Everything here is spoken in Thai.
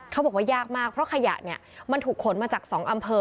เขาบอกว่ายากมากเพราะขยะเนี่ยมันถูกขนมาจาก๒อำเภอ